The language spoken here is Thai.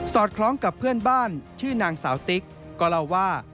คล้องกับเพื่อนบ้านชื่อนางสาวติ๊กก็เล่าว่า